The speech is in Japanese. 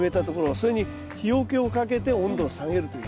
それに日よけをかけて温度を下げるという。